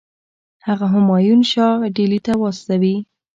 هغه همایون شاه ډهلي ته واستوي.